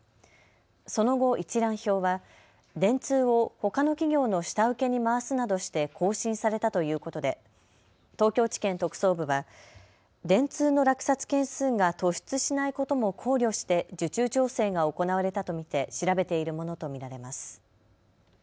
その後、一覧表は電通をほかの企業の下請けに回すなどして更新されたということで東京地検特捜部は電通の落札件数が突出しないことも考慮して受注調整が行われたと見て調べているものと見られます。